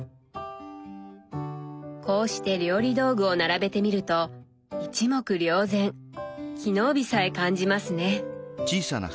こうして料理道具を並べてみると一目瞭然機能美さえ感じますね。